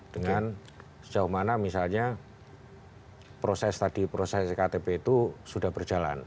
dengan sejauh mana misalnya proses tadi proses iktp itu sudah berjalan